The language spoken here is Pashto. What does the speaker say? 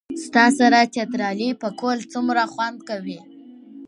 ستا سره چترالي پکول څومره خوند کئ